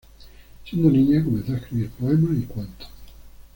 Siendo niña comenzó a escribir poemas y cuentos.